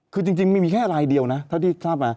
คือจริงมีแค่ลายเดียวนะเท่าที่ทราบมา